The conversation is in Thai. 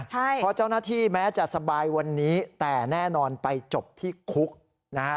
เพราะเจ้าหน้าที่แม้จะสบายวันนี้แต่แน่นอนไปจบที่คุกนะฮะ